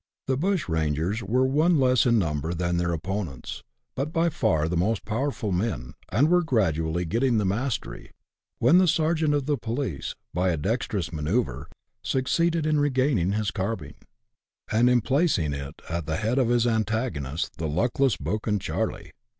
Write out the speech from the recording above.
The bushrangers were one less in number than their opponents, but by far the most powerful men, and were gradually getting the mastery, when the sergeant of the police, by a dexterous manoeuvre, succeeded in regaining his carbine, and in placing it at the head of his antagonist, the luckless Buchan Charley.